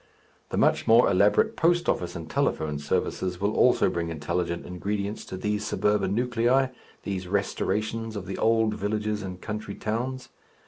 The much more elaborate post office and telephone services will also bring intelligent ingredients to these suburban nuclei, these restorations of the old villages and country towns.